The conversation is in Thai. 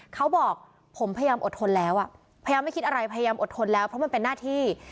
เขาบอกผมพยายามอดทนแล้วอ่ะพยายามไม่คิดอะไรพยายามอดทนแล้วเพราะมันเป็นหน้าที่